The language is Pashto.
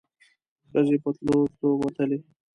ښځې په تلو تلو وتلې.